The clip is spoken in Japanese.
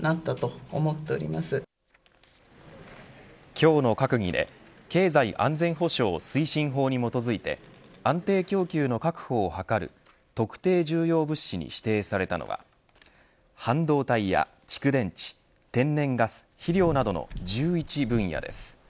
今日の閣議で経済安全保障推進法に基づいて安定供給の確保を図る特定重要物資に指定されたのは半導体や蓄電池天然ガス、肥料などの１１分野です。